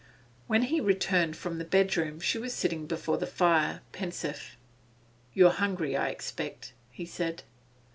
When he returned from the bedroom she was sitting before the fire, pensive. 'You're hungry, I expect?' he said.